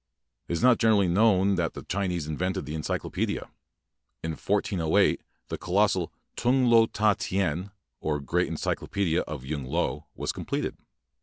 It is not generally known that the Chinese invented the encyclopaedia. In 1408 the colossal 'Tung Lo Ta Tien", or "Great Encyclopaedia of Yung Lo", was completed.